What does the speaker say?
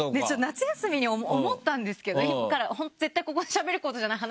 夏休みに思ったんですけど絶対ここでしゃべることじゃない話かも。